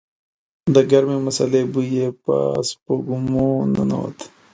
د ګرمې مسالې بوی يې پر سپږمو ننوت.